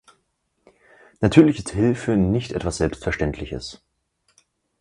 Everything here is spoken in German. Natürlich ist Hilfe nicht etwas Selbstverständliches.